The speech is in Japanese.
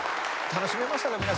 楽しめました。